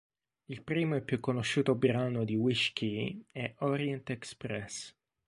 Il primo e più conosciuto brano di Wish Key è "Orient express".